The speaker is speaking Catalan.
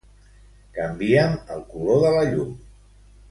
Canvia'm el color de la llum.